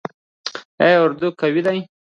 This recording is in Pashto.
آیا اردو قوي ده؟